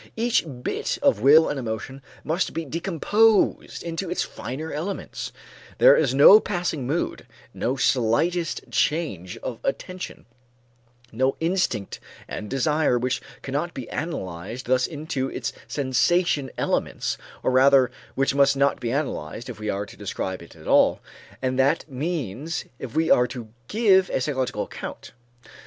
Each bit of will and emotion must be decomposed into its finest elements. There is no passing mood, and no floating half thought in our mind, no dream and no intuition, no slightest change of attention, no instinct and desire which cannot be analyzed thus into its sensation elements or rather which must not be analyzed, if we are to describe it at all, and that means if we are to give a psychological account.